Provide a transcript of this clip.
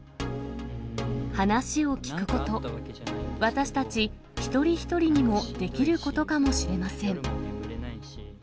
話を聞くこと、私たち一人一人にもできることかもしれません。